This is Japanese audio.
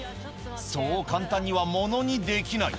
そう簡単にはものにできない。